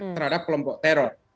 terhadap kelompok teror